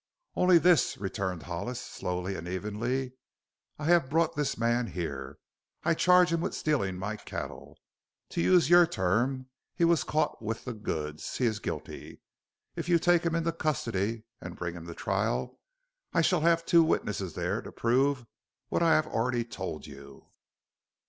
"Only this," returned Hollis slowly and evenly, "I have brought this man here. I charge him with stealing my cattle. To use your term he was caught 'with the goods.' He is guilty. If you take him into custody and bring him to trial I shall have two witnesses there to prove what I have already told you.